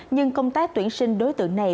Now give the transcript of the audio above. nhưng công tác tuyển sinh đối tượng này